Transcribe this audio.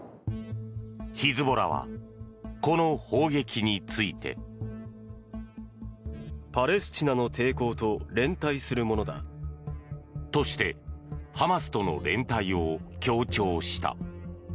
ヒズボラはこの砲撃について。としてハマスとの連帯を強調した。